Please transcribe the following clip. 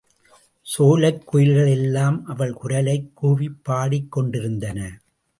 சோலைக் குயில்கள் எல்லாம் அவள் குரலைக் கூவிப் பாடிக் கொண்டிருந்தன.